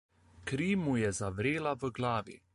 Kri mu je zavrela v glavi.